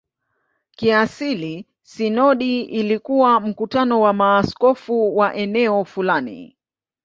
Kiasili sinodi ilikuwa mkutano wa maaskofu wa eneo fulani.